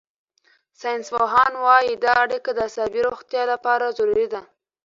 ساینسپوهان وايي دا اړیکه د عصبي روغتیا لپاره ضروري ده.